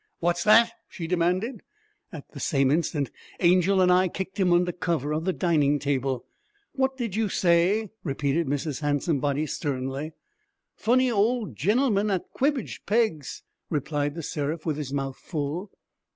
'What's that?' she demanded. At the same instant Angel and I kicked him under cover of the dining table. 'What did you say?' repeated Mrs. Handsomebody, sternly. 'Funny ole gennelman at the Cwibbage Peggs',' replied The Seraph with his mouth full.